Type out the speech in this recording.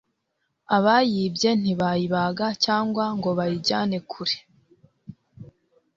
abayibye ntibayibaga cyangwa ngo bayijyane kure